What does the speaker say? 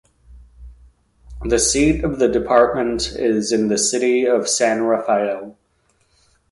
The seat of the department is in the city of San Rafael.